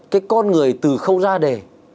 cái con người từ khâu ra đề